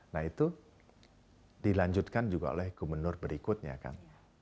nah itu dilanjutkan juga oleh gubernur berikutnya kan